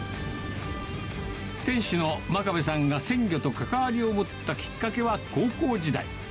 店主の真壁さんが鮮魚と関わりを持ったきっかけは高校時代。